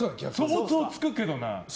想像つくけどな。